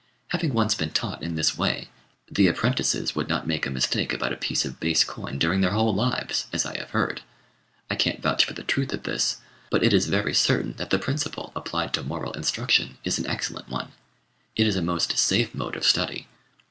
Having once been taught in this way, the apprentices would not make a mistake about a piece of base coin during their whole lives, as I have heard. I can't vouch for the truth of this; but it is very certain that the principle, applied to moral instruction, is an excellent one, it is a most safe mode of study.